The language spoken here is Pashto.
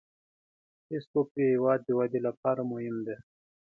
فېسبوک د هیواد د ودې لپاره مهم دی